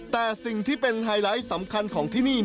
แต่สิ่งที่เป็นไฮไลท์สำคัญของที่นี่